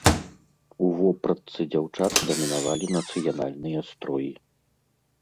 У вопратцы дзяўчат дамінавалі нацыянальныя строі.